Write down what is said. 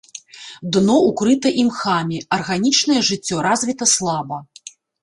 Дно ўкрыта імхамі, арганічнае жыццё развіта слаба.